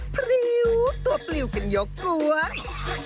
พริ้วตัวพริ้วกันยกกว้าง